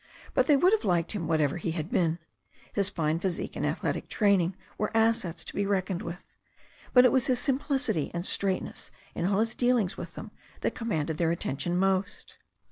But they would have liked him whatever he had been. His fine physique and athletic train ing were assets to be reckoned with, but it was his simplicity and straightness in all his dealings with them that com manded their attention most.